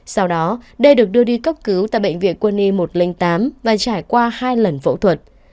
sau đó đây được đưa đi cấp cứu tại bệnh viện quân y một trăm linh tám và trải qua hai lần phẫu thuật